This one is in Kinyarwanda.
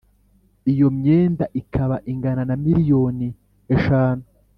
iyo myenda ikaba ingana na miliyoni eshanu